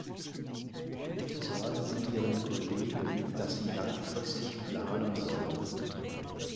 Bitte sagen Sie Ihren Kollegen, dass sie langfristig planen sollen.